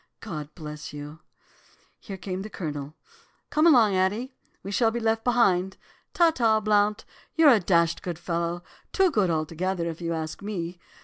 God bless you!' "Here came the Colonel. 'Come along, Addie, we shall be left behind. Ta ta, Blount, you're a dashed good fellow, too good altogether, if you ask me.